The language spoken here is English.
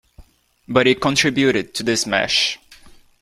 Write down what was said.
But it contributed to the smash.